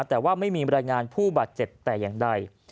แต่ว่าไม่มีบรรยายงานผู้บาดเจ็บแต่อย่างใด